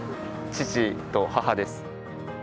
父と母です。